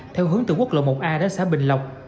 theo hướng từ quốc lộ một a đến xã bình lộc